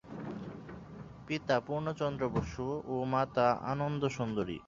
পিতা পূর্ণচন্দ্র বসু ও মাতা আনন্দসুন্দরী।